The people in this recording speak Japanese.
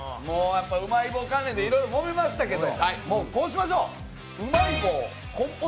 うまい棒関連でいろいろもめましたけどもうこうしましょう。